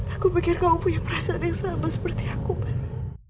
aku pikir kamu punya perasaan yang sama seperti aku mas